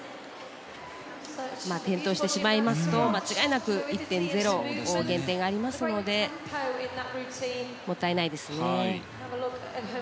転倒してしまいますと間違いなく１．０の減点がありますのでもったいないですね。